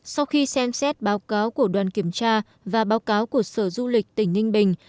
sau khi xem xét báo cáo của đoàn kiểm tra và báo cáo của sở du lịch tỉnh ninh bình